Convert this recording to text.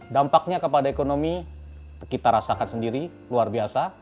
dampaknya kepada ekonomi kita rasakan sendiri luar biasa